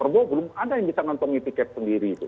belum ada yang bisa nonton e ticket sendiri itu